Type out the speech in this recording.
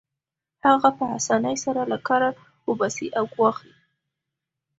هغه په اسانۍ سره له کاره وباسي او ګواښي